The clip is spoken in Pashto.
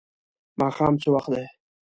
ماښام څه وخت دی؟